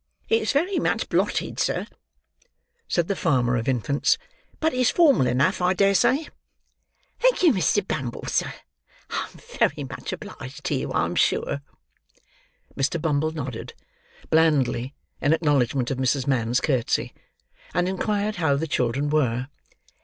"It's very much blotted, sir," said the farmer of infants; "but it's formal enough, I dare say. Thank you, Mr. Bumble, sir, I am very much obliged to you, I'm sure." Mr. Bumble nodded, blandly, in acknowledgment of Mrs. Mann's curtsey; and inquired how the children were.